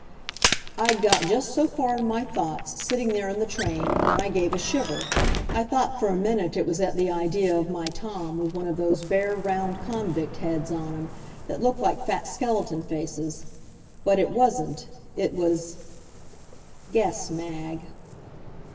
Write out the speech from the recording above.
I'd got just so far in my thoughts, sitting there in the train, when I gave a shiver. I thought for a minute it was at the idea of my Tom with one of those bare, round convict heads on him, that look like fat skeleton faces. But it wasn't. It was Guess, Mag.